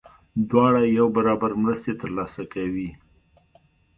دواړه یو برابر مرستې ترلاسه کوي.